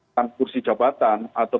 transkursi jabatan atau